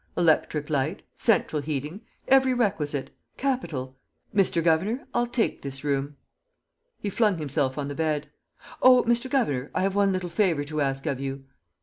... Electric light, central heating, every requisite ... capital! Mr. Governor, I'll take this room." He flung himself on the bed: "Oh, Mr. Governor, I have one little favor to ask of you!"